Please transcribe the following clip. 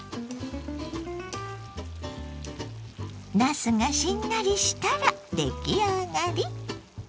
なすがしんなりしたら出来上がり。